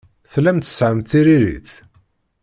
Tellamt tesɛamt tiririt?